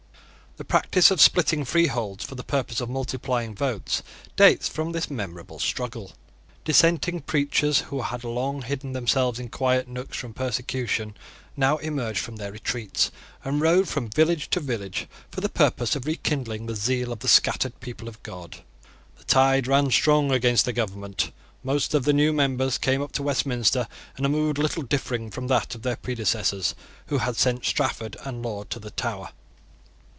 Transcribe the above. The practice of splitting freeholds for the purpose of multiplying votes dates from this memorable struggle. Dissenting preachers, who had long hidden themselves in quiet nooks from persecution, now emerged from their retreats, and rode from village to village, for the purpose of rekindling the zeal of the scattered people of God. The tide ran strong against the government. Most of the new members came up to Westminster in a mood little differing from that of their predecessors who had sent Strafford and Laud to the Tower.